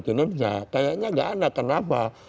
kayaknya gak ada kenapa